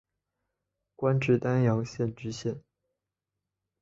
官至丹阳县知县。